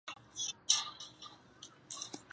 受西隆总教区管辖。